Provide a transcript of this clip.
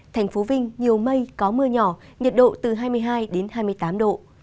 thành phố vinh nhiều mây có mưa nhỏ nhiệt độ từ hai mươi hai đến hai mươi tám độ